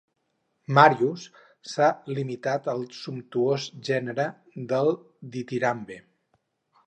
Màrius, s'han limitat al sumptuós gènere del ditirambe.